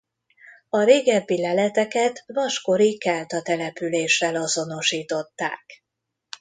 A régebbi leleteket vaskori kelta településsel azonosították.